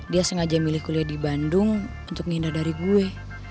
dia sengaja milih kuliah di bandung untuk ngindar dari gue